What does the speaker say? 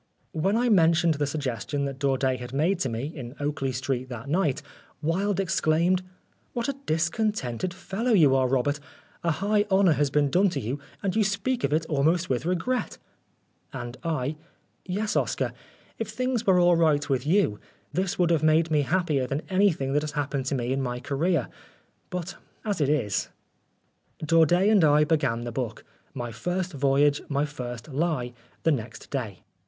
When I mentioned the suggestion that Daudet had made to me, in Oakley Street that night, Wilde exclaimed, " What a dis contented fellow you are, Robert ! A high honour has been done to you, and you speak 181 Oscar Wilde of it almost with regret. 1 ' And I :" Yes, Oscar. If things were all right with you, this would have made me happier than any thing that has happened to me in my career. But as it is " Daudet and I began the book, My First Voyage. My First Lie, the next day.